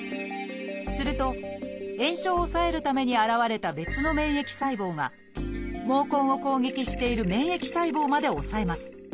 すると炎症を抑えるために現れた別の免疫細胞が毛根を攻撃している免疫細胞まで抑えます。